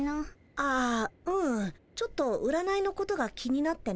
ああうんちょっと占いのことが気になってね。